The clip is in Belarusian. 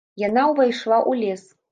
Яна ўвайшла ў лес.